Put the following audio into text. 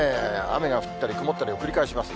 雨が降ったり曇ったりを繰り返します。